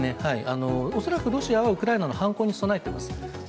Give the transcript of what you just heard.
恐らくロシアはウクライナの反抗に備えてます。